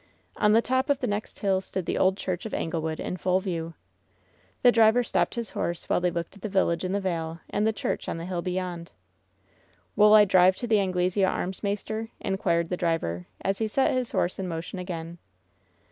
On the top of the next hill stood the Old Church of Anglewood in full view. The driver stopped his horse while they looked at the village in the vale and the church on the hill beyond. "Wull I drive to the Anglesea Arms, maister?" in quired the driver, as he set his horse in motion again.